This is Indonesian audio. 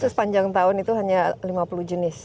sepanjang tahun itu hanya lima puluh jenis